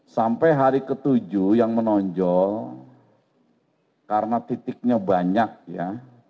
sampai hari ke tujuh yang menonjol karena titiknya banyak ya